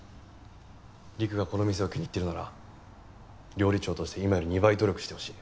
りくがこの店を気に入ってるなら料理長として今より２倍努力してほしい。